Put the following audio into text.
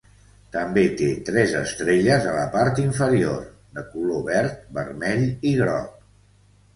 També té tres estrelles a la part inferior, de color verd, vermell i groc.